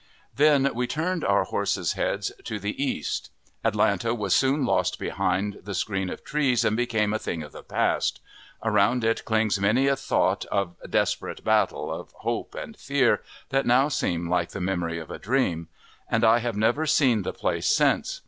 Then we turned our horses' heads to the east; Atlanta was soon lost behind the screen of trees, and became a thing of the past. Around it clings many a thought of desperate battle, of hope and fear, that now seem like the memory of a dream; and I have never seen the place since.